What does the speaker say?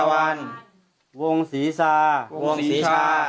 วงศรีชา